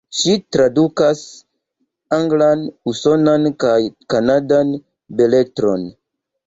Ŝi tradukas anglan, usonan kaj kanadan beletron.